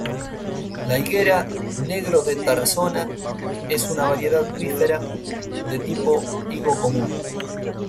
La higuera 'Negro de Tarazona' es una variedad "bífera" de tipo higo común.